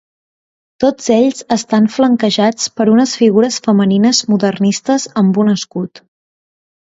Tots ells estan flanquejats per unes figures femenines modernistes amb un escut.